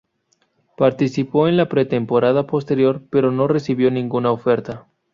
Participó en la pretemporada posterior, pero no recibió ninguna oferta.